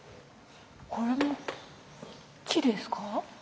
これも木ですか？